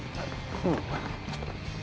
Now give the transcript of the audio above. うん。